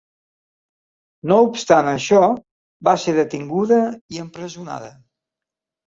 No obstant això, va ser detinguda i empresonada.